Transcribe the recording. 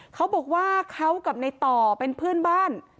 เขาบอกว่าเขากับในต่อเป็นเพื่อนบ้าน